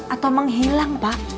atau menghilang pak